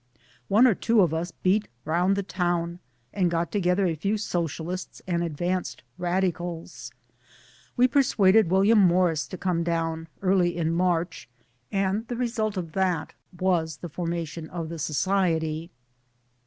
One or two of us beat round the town and got together a few Socialists and advanced Radicals ; we persuaded William Morris to come down (early , in March) and the result of that was the formation of the Society.